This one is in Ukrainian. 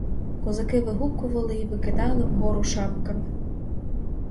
Козаки вигукували і викидали вгору шапками.